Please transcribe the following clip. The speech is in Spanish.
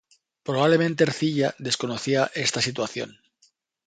Probablemente Ercilla desconocía esta situación.